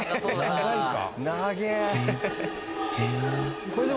長いか？